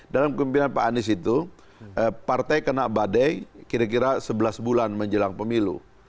dalam kepimpinan pak anies itu partai kena badai kira kira sebelas bulan menjelang pemilu